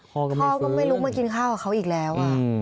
พ่อก็ไม่ลุกมากินข้าวกับเขาอีกแล้ว